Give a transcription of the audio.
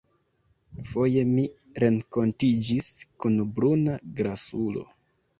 Foje mi renkontiĝis kun bruna grasulo.